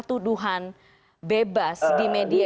tuduhan bebas di media